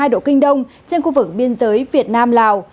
một trăm linh bảy hai độ kinh đông trên khu vực biên giới việt nam lào